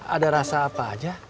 ada rasa apa aja